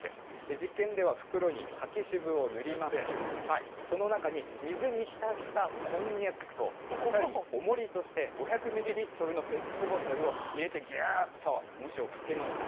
実験では袋に柿渋を塗りまして、その中に水に浸したこんにゃくと、さらにおもりとして５００ミリリットルのペットボトルを入れて、ぎゅーっとおもしをかけました。